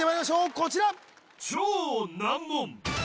こちら